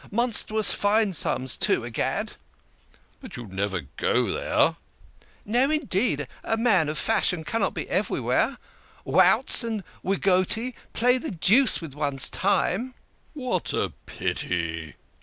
Monstrous fine sums, too, egad "" But you never go there !" "No, indeed, a man of fashion cannot be everywhere. Routs and rigotti play the deuce with one's time." " What a pity